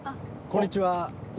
こんにちは。